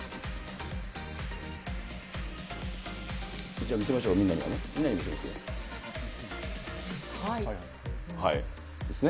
じゃあ見せましょう、みんなにはね。見せますよ。ですね。